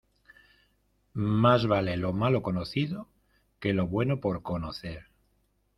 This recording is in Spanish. Más vale lo malo conocido que lo bueno por conocer.